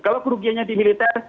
kalau kerugiannya di militer